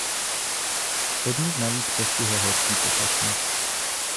Podnik navíc postihlo horší počasí.